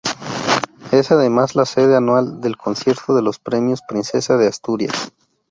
Es además la sede anual del concierto de los Premios Princesa de Asturias.